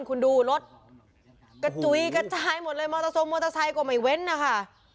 คุณดูรถกระจุยกระจายหมดเลยมอเตอร์ทรงมอเตอร์ไซค์ก็ไม่เว้นนะคะ